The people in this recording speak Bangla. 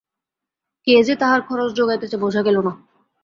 কে যে তাহার খরচ জোগাইতেছে বোঝা গেল না!